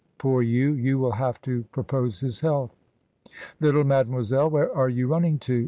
Poor you! you will have to pro pose his health. Little mademoiselle, where are you running to?"